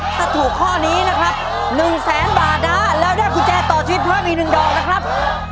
ถ้าถูกข้อนี้นะครับหนึ่งแสนบาทนะแล้วได้กุญแจต่อชีวิตความอีกหนึ่งดอกนะครับ